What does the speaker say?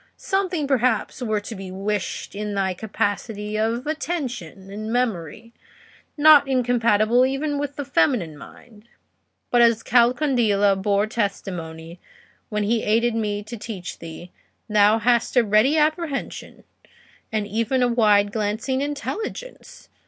Something perhaps were to be wished in thy capacity of attention and memory, not incompatible even with the feminine mind. But as Calcondila bore testimony, when he aided me to teach thee, thou hast a ready apprehension, and even a wide glancing intelligence.